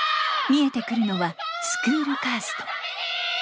見えてくるのはスクールカースト。